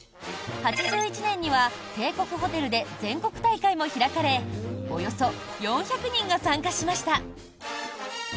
８１年には帝国ホテルで全国大会も開かれおよそ４００人が参加しました。